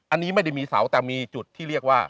อันนี้ไม่ได้มีเสาแต่มีจุดที่เรียกว่า